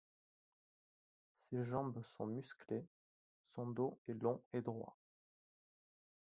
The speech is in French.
Ses jambes sont musclées, son dos est long et droit.